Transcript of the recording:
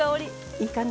いい感じ？